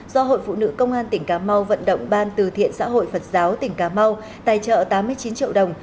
do hội phụ nữ công an tỉnh cà mau vận động ban từ thiện xã hội phật giáo tỉnh cà mau tài trợ tám mươi chín triệu đồng